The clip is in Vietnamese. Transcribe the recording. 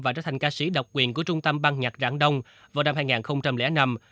và trở thành ca sĩ độc quyền của trung tâm băng nhạc rãng đông vào năm hai nghìn năm